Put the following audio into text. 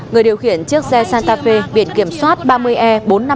người điều khiển chiếc xe santa fe viện kiểm soát ba mươi e bốn mươi năm nghìn năm trăm ba mươi bốn